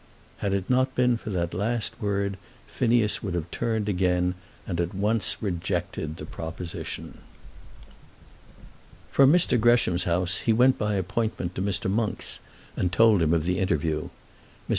Had it not been for that last word Phineas would have turned again, and at once rejected the proposition. From Mr. Gresham's house he went by appointment to Mr. Monk's, and told him of the interview. Mr.